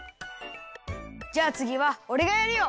じゃあつぎはおれがやるよ！